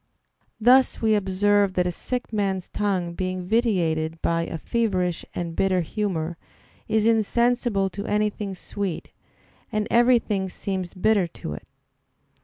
Thus we observe that a sick man's tongue being vitiated by a feverish and bitter humor, is insensible to anything sweet, and everything seems bitter to it.